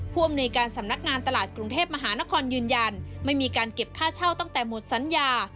ผู้อำนวยการสำนักงานตลาดกรุงเทพมหานครยืนยันไม่มีการเก็บค่าเช่าตั้งแต่หมดสัญญา